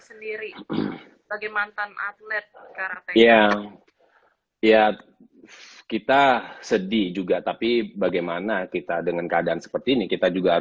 sendiri mungkin mantan atlet karate iya kita sedih juga tapi bagaimana kita dengan keadaan seperti ini kita